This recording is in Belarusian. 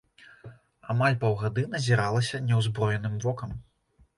Амаль паўгады назіралася няўзброеным вокам.